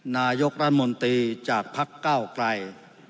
นายกรมตีจากภักดิ์เกล้าใกล้